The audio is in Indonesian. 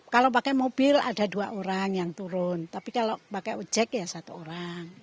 kalau pakai mobil ada dua orang yang turun tapi kalau pakai ojek ya satu orang